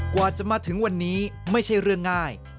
กว่าจะมาถึงวันนี้ไม่ใช่เรื่องง่าย